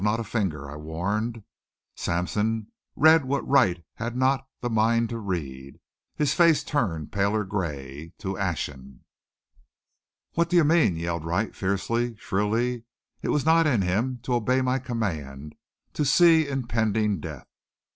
Not a finger!" I warned. Sampson read what Wright had not the mind to read. His face turned paler gray, to ashen. "What d'ye mean?" yelled Wright fiercely, shrilly. It was not in him to obey my command, to see impending death.